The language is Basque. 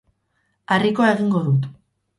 Harrikoa egingo dut.